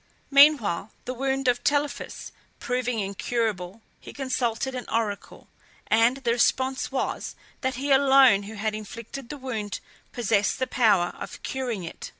Meanwhile, the wound of Telephus proving incurable, he consulted an oracle, and the response was, that he alone who had inflicted the wound possessed the power of curing it.